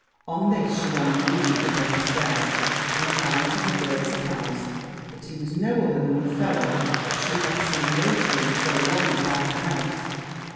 On this she ran immediately down stairs; and found, to her great surprize, that he was no other than the fellow that she had seen loitering so long about the house.